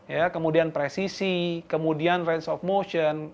ya kemudian presisi kemudian range of motion